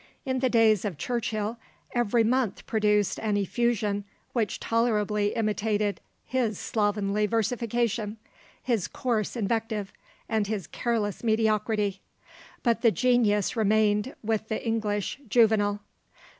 In the days of Churchill, every month produced an effusion which tolerably imitated his slovenly versification, his coarse invective, and his careless mediocrity, but the genius remained with the English Juvenal.